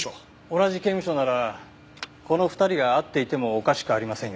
同じ刑務所ならこの２人が会っていてもおかしくありませんよね。